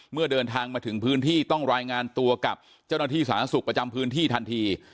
เมื่อเดินทางมาถึงพื้นที่ต้องรายงานตัวกับเจ้าหน้าที่สาธารณสุขประจำพื้นที่ทันที